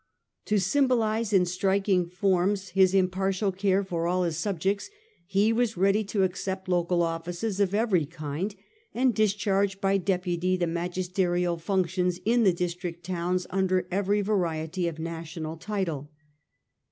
To symbolize in striking forms his impartial care for all his subjects, he was ready to accept local offices of every kind, and discharge by deputy the magisterial functions in the district towns under every variety of national title.